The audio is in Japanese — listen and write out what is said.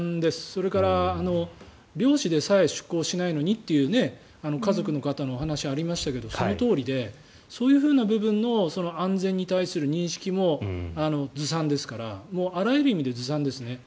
それから漁師でさえ出航しないのにという家族の方のお話がありましたがそのとおりでそういう部分の安全に対する認識もずさんですからあらゆる意味でずさんですね。